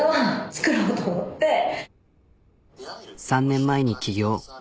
３年前に起業。